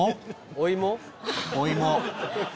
お芋。